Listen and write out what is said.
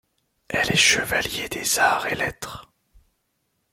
Elle est chevalier des arts et lettres.